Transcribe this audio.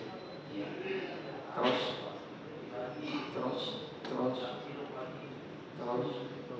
terus terus terus terus